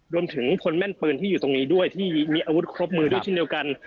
รวมถึงพลแม่นปืนที่อยู่ตรงนี้ด้วยที่มีอาวุธครบมือด้วยเช่นเดียวกัน